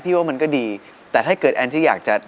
เพราะว่าเพราะว่าเพราะว่าเพราะ